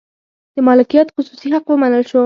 د مالکیت خصوصي حق ومنل شو.